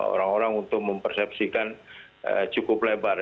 orang orang untuk mempersepsikan cukup lebar